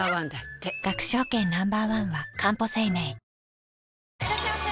「氷結」いらっしゃいませ！